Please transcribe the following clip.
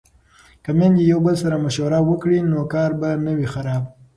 که میندې یو بل سره مشوره وکړي نو کار به نه وي خراب.